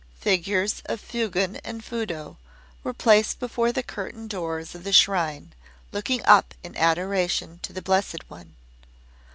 Figures of Fugen and Fudo were placed before the curtain doors of the shrine, looking up in adoration to the Blessed One.